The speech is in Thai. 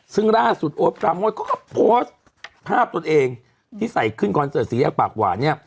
ซึ่งล่าสุดโอ้บนวัลก็โพสฯภาพตัวเองที่ใส่ขึ้นคอนเสิร์ตศรีแยกปากหวานเนี่ย